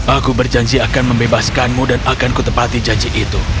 aku berjanji akan membebaskanmu dan akan kutepati janji itu